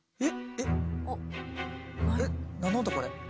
えっ何の音これ？